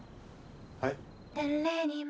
はい？